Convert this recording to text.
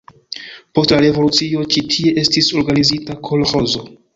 Post la revolucio ĉi tie estis organizita kolĥozo.